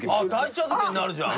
茶漬けになるじゃん。